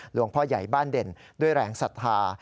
หลวงพ่อใหญ่บ้านเด่นด้วยแรงศรัทธา